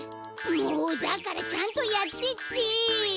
もうだからちゃんとやってって！